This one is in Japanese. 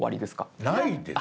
ないです。